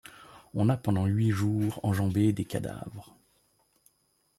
On a pendant huit jours enjambé des cadavres